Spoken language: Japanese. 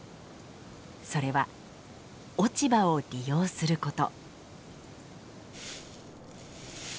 それは落ち葉を利用すること。